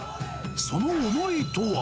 その思いとは。